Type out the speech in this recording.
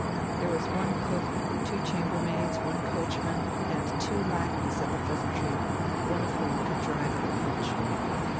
There was one cook, two chamber maids, one coachman, and two lackeys at the "Pheasantry," one of whom could drive at a pinch.